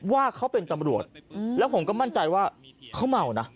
ว่าเขาเป็นตำรวจแล้วผมก็มั่นใจว่าเขาเมานะ